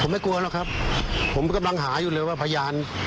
ผมไม่กลัวหรอกครับผมกำลังหาอยู่เลยว่าพยาน